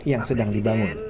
yang sedang dibangun